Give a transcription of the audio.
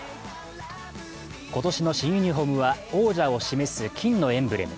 今年の新ユニフォームは、王者を示す金のエンブレム。